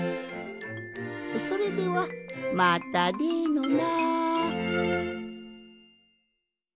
それではまたでのな！